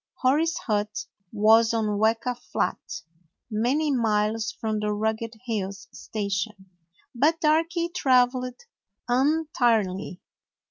Hori's hut was on Weka Flat, many miles from the Rugged Hills station, but Darky traveled untiringly.